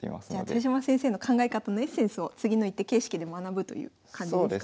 豊島先生の考え方のエッセンスを次の一手形式で学ぶという感じですかね。